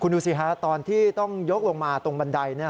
ดูสิฮะตอนที่ต้องยกลงมาตรงบันได